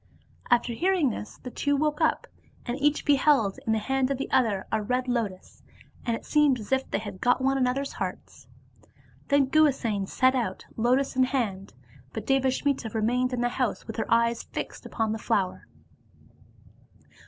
After hearing this, the two woke up, and each beheld in the hand of the other a red lotus, and it seemed as if they had got one another's hearts. Then Guhasena set out, lotus in hand, but Devasmita remained in the house with her eyes fixed upon her flower.